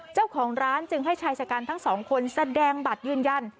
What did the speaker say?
เจ้าของร้านจึงให้ชายชะกันทั้งสองคนแสดงบัตรยืนยัน